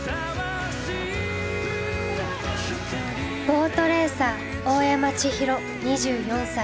ボートレーサー大山千広２４歳。